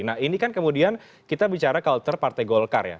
nah ini kan kemudian kita bicara culture partai golkar ya